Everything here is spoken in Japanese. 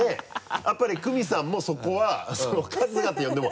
やっぱりクミさんもそこは「春日」って呼んでも。